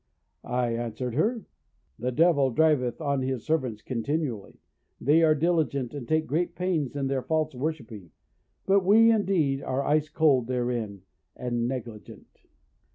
I answered her, the devil driveth on his servants continually; they are diligent, and take great pains in their false worshipping, but we, indeed, are ice cold therein, and negligent.